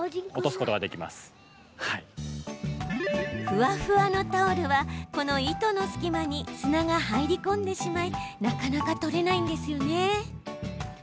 ふわふわのタオルはこの糸の隙間に砂が入り込んでしまいなかなか取れないんですよね。